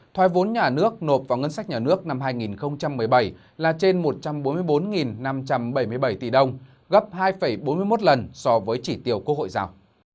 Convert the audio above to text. thoái vốn nhà nước nộp vào ngân sách nhà nước năm hai nghìn một mươi bảy là trên một trăm bốn mươi bốn năm trăm bảy mươi bảy tỷ đồng gấp hai bốn mươi một lần so với chỉ tiêu quốc hội giao